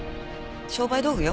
商売道具よ。